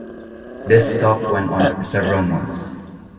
This talk went on for several months.